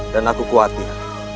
dan aku khawatir